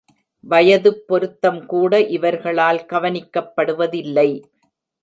வயதுப் பொருத்தம் கூட இவர்களால் கவனிக்கப்படுவதில்லை.